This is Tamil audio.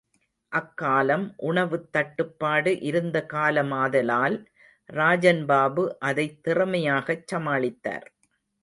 அக்காலம் உணவுத் தட்டுப்பாடு இருந்த காலமாதலால் ராஜன் பாபு அதைத் திறமையாகச் சமாளித்தார்.